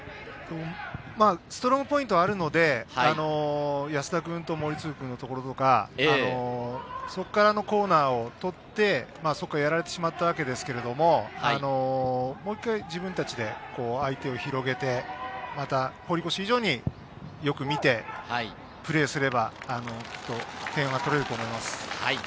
ストロングポイントはあるので、安田君と森次君のところとかコーナーをとって、そこをやられてしまったわけですけれど、もう一回、自分たちで相手を広げて、また堀越以上によく見て、プレーすれば、きっと点は取れると思います。